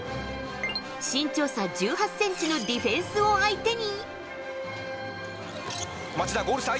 身長差１８ｃｍのディフェンスを相手に。